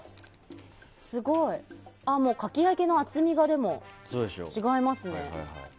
すごい。かき揚げの厚みが違いますね。